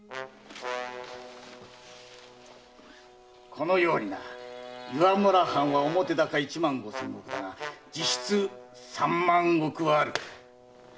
このように岩村藩は表高一万五千石だが実質三万石はある！